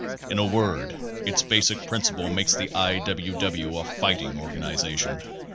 In a word, its basic principle makes the I. W. W. a fighting organization.